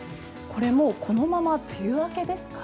これもうこのまま梅雨明けですか？